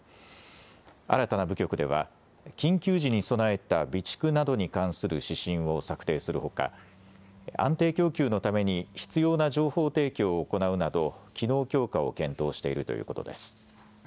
新たな部局では緊急時に備えた備蓄などに関する指針を策定するほか安定供給のために必要な情報提供を行うなど機能強化を検討しているということです。